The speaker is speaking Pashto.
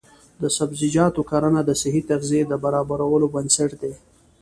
د سبزیجاتو کرنه د صحي تغذیې د برابرولو بنسټ دی.